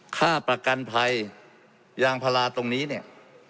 ค่าประกันภัยยางพาราตรงนี้เนี่ย